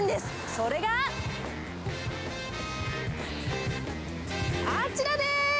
それが、あちらでーす！